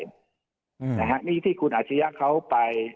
นะฮะนี่ที่คุณอาชิยะเขาไป